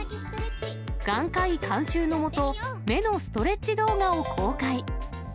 眼科医監修の下、目のストレッチ動画を公開。